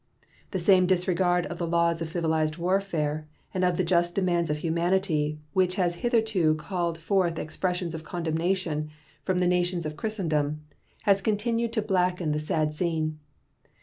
The same disregard of the laws of civilized warfare and of the just demands of humanity which has heretofore called forth expressions of condemnation from the nations of Christendom has continued to blacken the sad scene.